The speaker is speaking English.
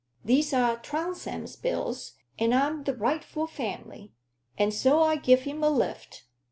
These are Trounsem's bills; and I'm the rightful family, and so I give him a lift.